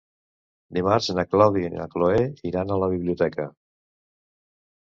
Dimarts na Clàudia i na Cloè iran a la biblioteca.